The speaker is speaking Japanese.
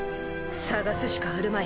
捜すしかあるまい。